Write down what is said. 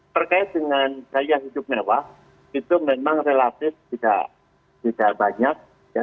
terkait dengan gaya hidup mewah itu memang relatif tidak banyak